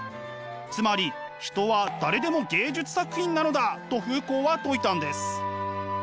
つまり人は誰でも芸術作品なのだとフーコーは説いたんです。